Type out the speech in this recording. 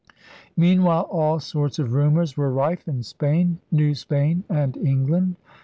Meanwhile all sorts of rumors were rife in Spain, New Spain, and England.